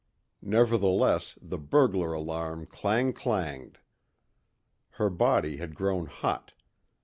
Nevertheless the burglar alarm clang clanged. Her body had grown hot.